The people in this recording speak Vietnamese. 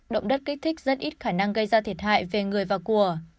động đất kích thích rất ít khả năng gây ra thiệt hại về người và của